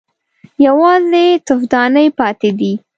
_يوازې تفدانۍ پاتې دي.